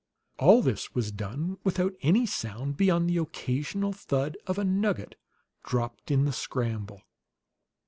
All this was done without any sound beyond the occasional thud of a nugget dropped in the scramble.